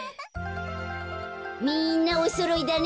みんなおそろいだね。